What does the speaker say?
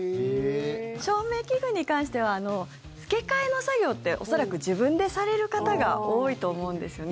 照明器具に関しては付け替えの作業って恐らく自分でされる方が多いと思うんですよね。